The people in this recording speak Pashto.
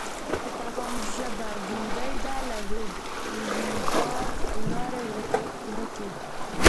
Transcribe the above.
د پیغام ژبه ګونګۍ ده له رویباره لاري ورکي